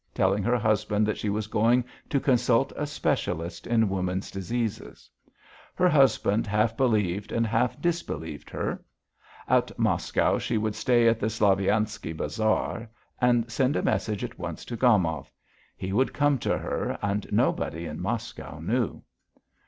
telling her husband that she was going to consult a specialist in women's diseases. Her husband half believed and half disbelieved her. At Moscow she would stay at the "Slaviansky Bazaar" and send a message at once to Gomov. He would come to her, and nobody in Moscow knew.